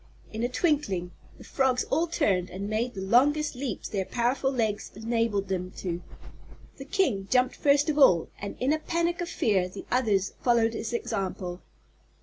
In a twinkling the frogs all turned and made the longest leaps their powerful legs enabled them to. The King jumped first of all and in a panic of fear the others followed his example.